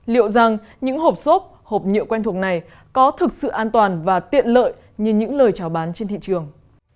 liệu rằng những hộp xốp hộp nhựa quen thuộc này có thực sự an toàn và tiện lợi như những lời trào bán trên thị trường